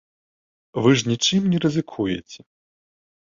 Вы ж нічым не рызыкуеце.